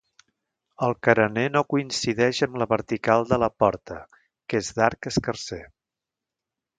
El carener no coincideix amb la vertical de la porta, que és d'arc escarser.